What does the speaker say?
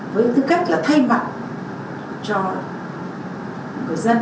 với tư cách là thay mặt cho người dân